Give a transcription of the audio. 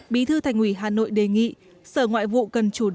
bí thư thành ủy hà nội đề nghị sở ngoại vụ cần chủ động